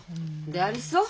でありそう？